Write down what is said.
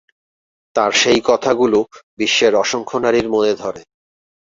তার সেই কথাগুলো বিশ্বের অসংখ্য নারীর মনে ধরে।